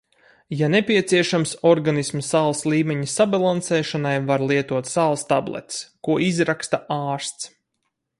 Ja nepieciešams, organisma sāls līmeņa sabalansēšanai var lietot sāls tabletes, ko izraksta ārsts.